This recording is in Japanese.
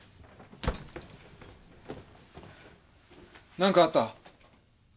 何かあった？え？